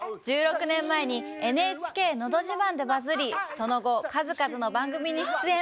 １６年前に「ＮＨＫのど自慢」でバズりその後、数々の番組に出演。